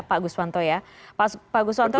pak guswanto ya pak guswanto